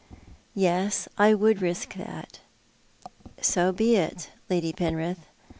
" Yes, I would risk that." " So be it, Lady Penrith.